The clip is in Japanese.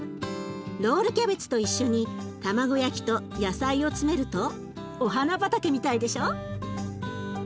ロールキャベツと一緒に卵焼きと野菜を詰めるとお花畑みたいでしょ。